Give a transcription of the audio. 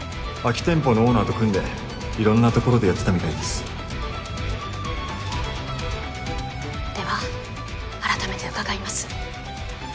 空き店舗のオーナーと組んで色んなところでやってたみたいですでは改めて伺います。